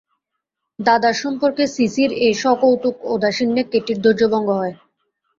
দাদার সম্বন্ধে সিসির এই সকৌতুক ঔদাসীন্যে কেটির ধৈর্যভঙ্গ হয়।